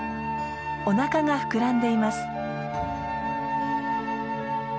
おなかが膨らんでいます。